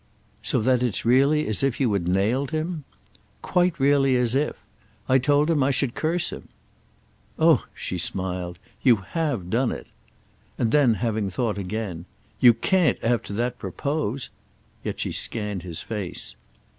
"So that it's really as if you had nailed him?" "Quite really as if—! I told him I should curse him." "Oh," she smiled, "you have done it." And then having thought again: "You can't after that propose—!" Yet she scanned his face.